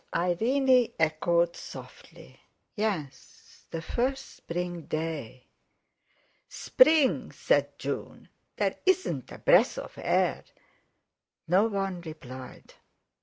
Irene echoed softly: "Yes—the first spring day." "Spring!" said June: "there isn't a breath of air!" No one replied.